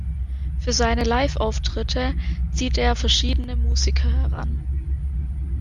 Für seine Liveauftritte zieht er verschiedene Musiker heran.